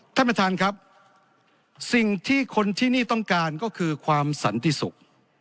ท่านประธานครับสิ่งที่คนที่นี่ต้องการก็คือความสันติสุข